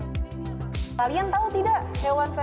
kalian tahu tidak hewan verbena ini